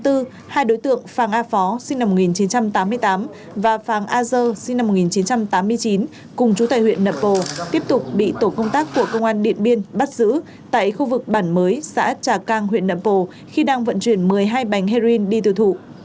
hai đối tượng phàng a phó sinh năm một nghìn chín trăm tám mươi tám và phàng a dơ sinh năm một nghìn chín trăm tám mươi chín cùng chú tài huyện nậm pồ tiếp tục bị tổ công tác của công an điện biên bắt giữ tại khu vực bản mới xã trà cang huyện nậm pồ khi đang vận chuyển một mươi hai bánh heroin đi tiêu thụ